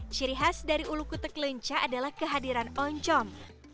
ciri khas dari ulu kutek lenca adalah kehadiran oncom